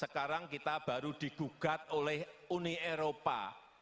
sekarang kita baru digugat oleh uni eropa